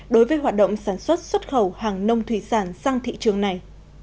đối với hoạt động sản xuất xuất khẩu hàng nông thủy sản sang thị trường này